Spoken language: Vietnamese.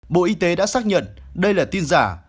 bộ y tế đã xác nhận đây là tin giả